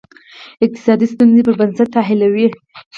اقتصادي ستونزې پر بنسټ تحلیلوي.